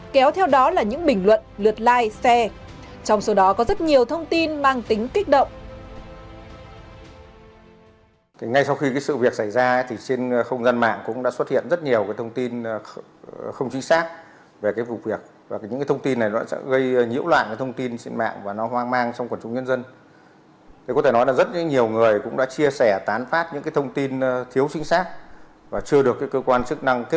kéo theo đó là những bình luận lượt like share trong số đó có rất nhiều thông tin mang tính kích động